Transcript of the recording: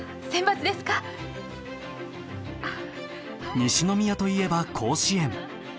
西宮といえば甲子園。